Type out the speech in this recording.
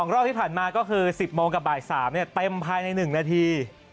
รอบที่ผ่านมาก็คือ๑๐โมงกับบ่าย๓เต็มภายใน๑นาที